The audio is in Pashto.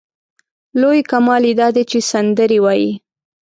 لوی کمال یې دا دی چې سندرې وايي.